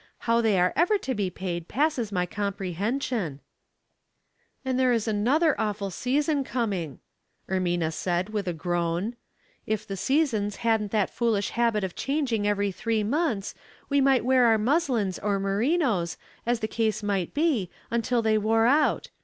How they are ever to be paid passes my comprehension." "And there's another awful season coming," Weighty Matters in Small Scales, 151 Ermina said, with a groan. "If the seasong hadn't that foolish habit of changing every three months, we might wear our muslins or merinos, as the case might be, until they wore out.